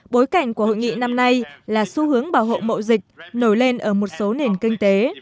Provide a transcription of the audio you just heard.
bối cảnh của hội nghị năm nay là xu hướng bảo hộ mậu dịch nổi lên ở một số nền kinh tế